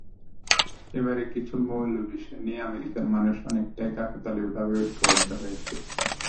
এবারে কিছু মৌল বিষয় নিয়ে আমেরিকার মানুষ অনেকটাই কাকতালীয় ভাবে ঐক্যবদ্ধ হয়েছে।